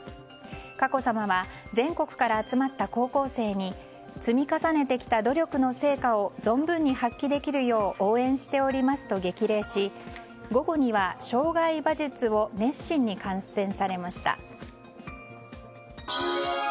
佳子さまは全国から集まった高校生に積み重ねてきた努力の成果を存分に発揮できるよう応援しておりますと激励し午後には、障害馬術を熱心に観戦されました。